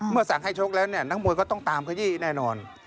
สั่งให้ชกแล้วเนี่ยนักมวยก็ต้องตามขยี้แน่นอน